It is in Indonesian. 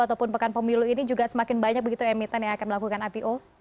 ataupun pekan pemilu ini juga semakin banyak begitu emiten yang akan melakukan ipo